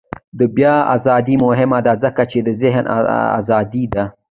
د بیان ازادي مهمه ده ځکه چې د ذهن ازادي ده.